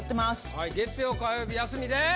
はい月曜火曜日休みです！